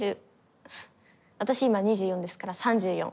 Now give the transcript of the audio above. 私今２４ですから３４。